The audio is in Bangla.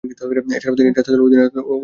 এছাড়াও তিনি জাতীয় দলের অধিনায়কত্ব করেন।